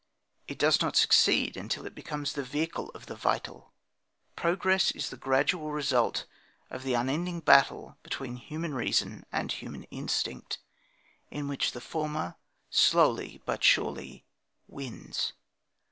It does not succeed until it becomes the vehicle of the vital. Progress is the gradual result of the unending battle between human reason and human instinct, in which the former slowly but surely wins.